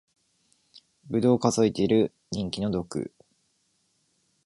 ぶどう数えてる人気の毒